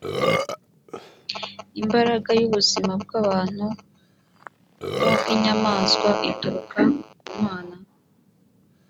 imbaraga y ubuzima bw abantu n ubw inyamaswa ituruka ku mana